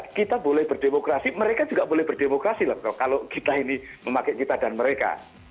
karena kita boleh berdemokrasi mereka juga boleh berdemokrasi loh kalau kita ini memakai kita dan mereka